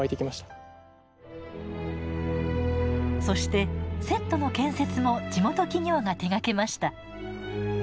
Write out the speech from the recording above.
そして、セットの建設も地元企業が手がけました。